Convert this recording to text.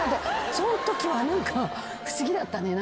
そんときは何か不思議だったね。